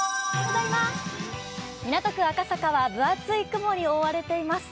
港区赤坂は分厚い雲に覆われています。